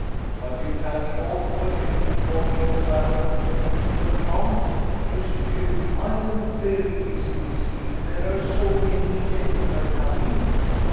"But you can in all probability inform me of the manner of getting quit of Jean." "Monsieur! I am very busy this evening, there are so many gentlemen come in."